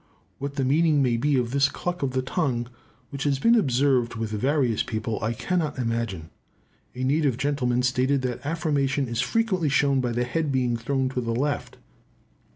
What the meaning may be of this cluck of the tongue, which has been observed with various people, I cannot imagine. A native gentleman stated that affirmation is frequently shown by the head being thrown to the left.